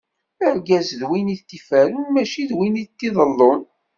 Argaz, d win i tent-iferrun, mačči d win i tent-iḍellun.